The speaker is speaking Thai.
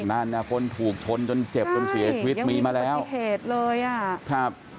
นั่นคนถูกชนจนเจ็บจนเสียควิตมีมาแล้วใช่ยังมีปฏิเสธเลย